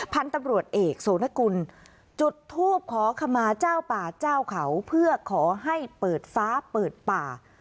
พันธุ์ตำรวจเอกโสนกุลจุดทูปขอขมาเจ้าป่าเจ้าเขาเพื่อขอให้เปิดฟ้าเปิดป่า